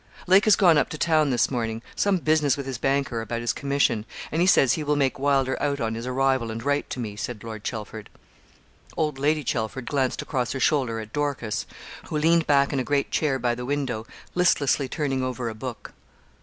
'Lake has gone up to town this morning some business with his banker about his commission and he says he will make Wylder out on his arrival, and write to me,' said Lord Chelford. Old Lady Chelford glanced across her shoulder at Dorcas, who leaned back in a great chair by the window, listlessly turning over a book.